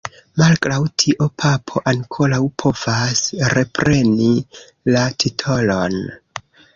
Malgraŭ tio, Papo ankoraŭ povas repreni la titolon.